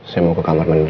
saya mau ke kamar menunggu